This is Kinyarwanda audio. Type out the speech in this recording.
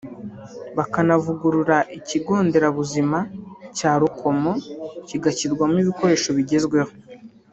bakanavugurura Ikigo Nderabuzima cya Rukomo kigashyirwamo ibikoresho bigezweho